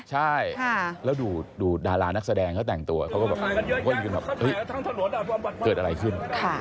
ใช่แล้วดูดารานักแสดงเขาแต่งตัวเขาก็แบบวิ่งกันแบบเกิดอะไรขึ้น